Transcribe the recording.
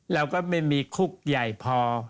เราก็ไม่มีคุกใหญ่พอ